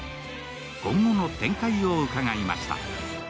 今後の展開を伺いました。